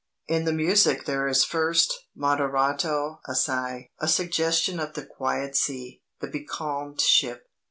" In the music there is first (Moderato assai) a suggestion of the quiet sea, the becalmed ship.